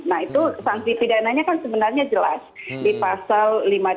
nah itu sanksi pidananya kan sebenarnya jelas di pasal lima ratus dua puluh satu